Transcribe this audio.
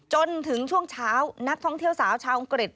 จนถึงช่วงเช้านักท่องเที่ยวสาวชาวอังกฤษ